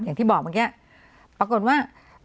อย่างที่บอกเมื่อกี้ปรากฏว่า